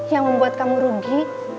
yang membuat kamu rugi